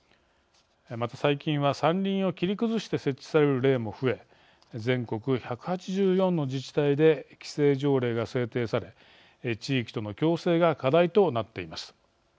また最近は山林を切り崩して設置される例も増え全国１８４の自治体で規制条例が制定され地域との共生が課題となっています。